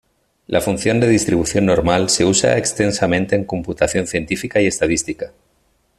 La función de distribución normal se usa extensamente en computación científica y estadística.